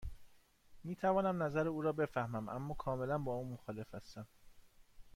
می توانم نظر او را بفهمم، اما کاملا با آن مخالف هستم.